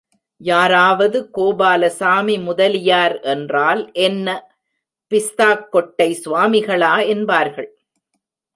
யாராவது கோபாலசாமி முதலியார் என்றால், என்ன, பிஸ்தாக்கொட்டை ஸ்வாமிகளா? என்பார்கள்.